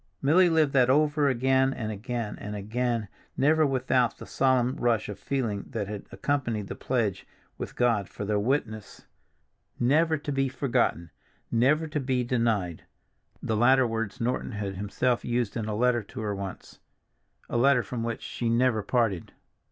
Milly lived that over again, and again, and again, never without the solemn rush of feeling that had accompanied the pledge with God for their witness—"never to be forgotten, never to be denied"—the latter words Norton had himself used in a letter to her once, a letter from which she never parted.